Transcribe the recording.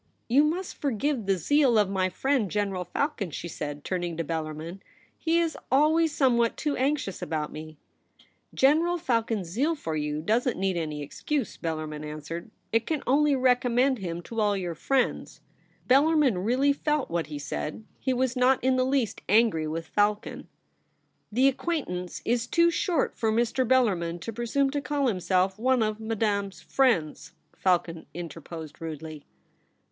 ^ You must forgive the zeal of my friend General Falcon,' she said, turning to Bellar min. ' He is always somewhat too anxious about me.' * General Falcon's zeal for you doesn't need any excuse,' Bellarmin answered ;' it can only recommend him to all your friends.' Bellar min really felt what he said ; he was not in the least angry with Falcon. 'The acquaintance is too short for Mr. Bellarmin to presume to call himself one of Madame's friends,' Falcon interposed rudely.